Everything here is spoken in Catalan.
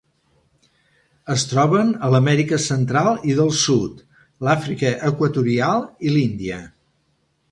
Es troben a l'Amèrica Central i del Sud, l'Àfrica equatorial i l'Índia.